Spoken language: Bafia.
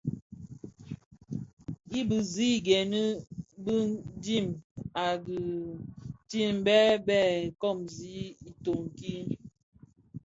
I bisiigherè bi dhim a dhitimbèn lè bè kōōsi itoň ki.